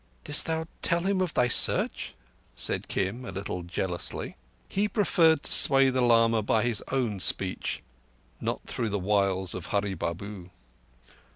"Didst thou tell him of thy Search?" said Kim, a little jealously. He preferred to sway the lama by his own speech—not through the wiles of Hurree Babu.